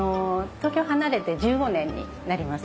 東京離れて１５年になります。